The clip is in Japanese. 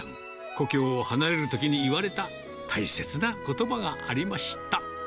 故郷を離れるときに言われた大切なことばがありました。